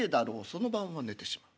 その晩は寝てしまう。